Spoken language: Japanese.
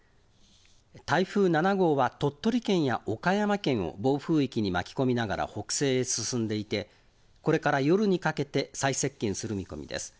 台風７号は鳥取県や岡山県を暴風域に巻き込みながら北西へ進んでいて、これから夜にかけて最接近する見込みです。